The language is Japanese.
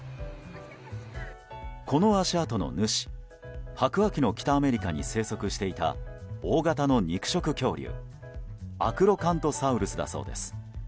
この足跡の主白亜紀の北アメリカに生息していた大型の肉食恐竜アクロカントサウルスだそうです。